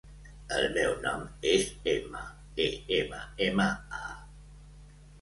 El meu nom és Emma: e, ema, ema, a.